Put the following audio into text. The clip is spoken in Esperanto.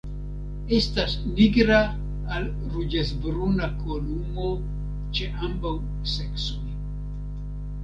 Estas nigra al ruĝecbruna kolumo ĉe ambaŭ seksoj.